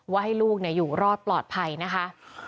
ให้ลูกอยู่รอดปลอดภัยนะคะ